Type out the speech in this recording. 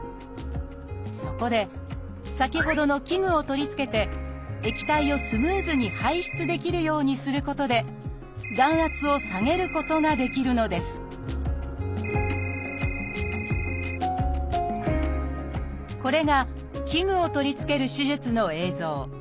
そこで先ほどの器具を取り付けて液体をスムーズに排出できるようにすることで眼圧を下げることができるのですこれが器具を取り付ける手術の映像。